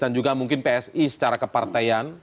dan juga mungkin psi secara keparteian